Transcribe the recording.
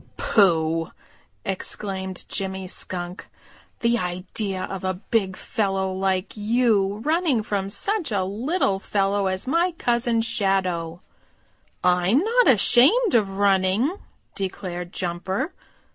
"Pooh!" exclaimed Jimmy Skunk. "The idea of a big fellow like you running from such a little fellow as my Cousin Shadow!" "I'm not ashamed of running," declared Jumper.